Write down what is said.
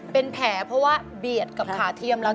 เป็นแผลเพราะว่าเบียดกับขาเทียมแล้ว